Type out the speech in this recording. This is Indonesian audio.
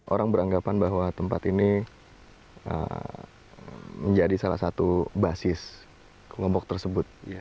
orang beranggapan bahwa tempat ini menjadi salah satu basis kelompok tersebut